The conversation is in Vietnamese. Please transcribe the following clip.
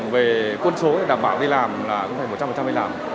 về quân số thì đảm bảo đi làm là cũng phải một trăm linh đi làm